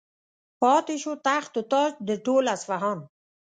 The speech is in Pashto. پاتې شو تخت و تاج د ټول اصفهان.